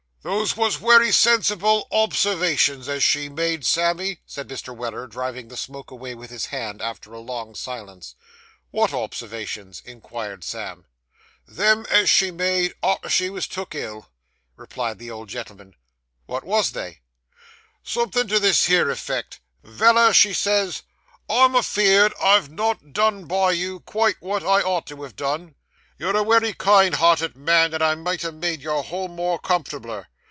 'Those wos wery sensible observations as she made, Sammy,' said Mr. Weller, driving the smoke away with his hand, after a long silence. 'Wot observations?' inquired Sam. 'Them as she made, arter she was took ill,' replied the old gentleman. 'Wot was they?' 'Somethin' to this here effect. "Veller," she says, "I'm afeered I've not done by you quite wot I ought to have done; you're a wery kind hearted man, and I might ha' made your home more comfortabler.